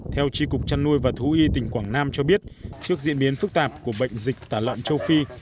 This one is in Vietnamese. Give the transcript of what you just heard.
theo tri cục chăn nuôi và thú y tỉnh quảng nam cho biết trước diễn biến phức tạp của bệnh dịch tả lợn châu phi